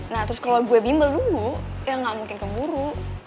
nah terus kalau gue bimbel dulu ya nggak mungkin keburu